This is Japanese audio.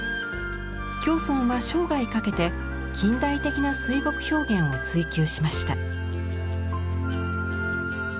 橋村は生涯かけて近代的な水墨表現を追求しました。